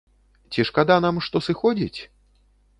Ці шкада нам, што сыходзіць?